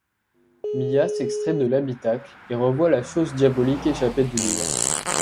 Mia s'extrait de l'habitacle et revoit la chose diabolique échappée du livre.